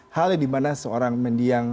hal yang dimana seorang mendiang